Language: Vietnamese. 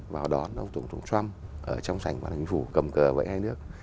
vào đòn ông tổng thống trump ở trong sành quản lý chính phủ cầm cờ vẫy hai nước